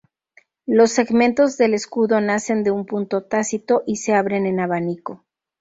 Los segmentos del escudo nacen de un punto tácito y se abren en abanico.